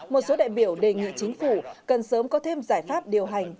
một số đại biểu đề nghị chính phủ cần sớm có thêm giải pháp điều hành